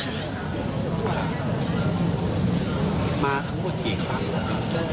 มาทั้งหมดกี่ครั้งละ